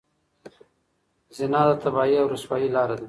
زنا د تباهۍ او رسوایۍ لاره ده.